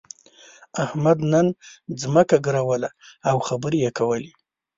احمد نن ځمکه ګروله او خبرې يې کولې.